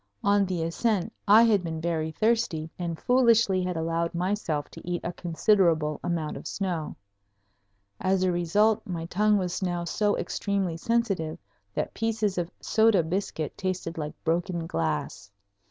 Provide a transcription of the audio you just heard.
On the ascent I had been very thirsty and foolishly had allowed myself to eat a considerable amount of snow. As a result my tongue was now so extremely sensitive that pieces of soda biscuit tasted like broken glass.